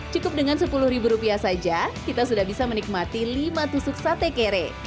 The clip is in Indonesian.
cukup dengan sepuluh rupiah saja kita sudah bisa menikmati lima tusuk sate kere